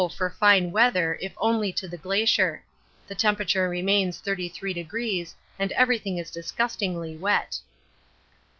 for fine weather, if only to the Glacier. The temperature remains 33°, and everything is disgustingly wet.